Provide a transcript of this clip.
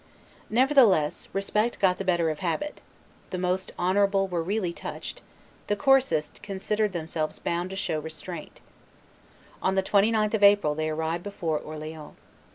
Nevertheless, respect got the better of habit; the most honorable were really touched; the coarsest considered themselves bound to show restraint. On the 29th of April they arrived before Orleans.